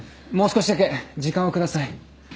もう少しだけ時間を下さい。